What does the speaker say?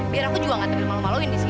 biar aku juga gak terlalu malu maluin disini